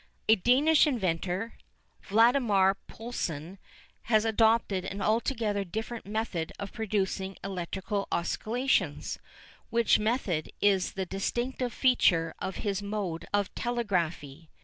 A Danish inventor, Valdemar Poulsen, has adopted an altogether different method of producing electrical oscillations, which method is the distinctive feature of his mode of telegraphy.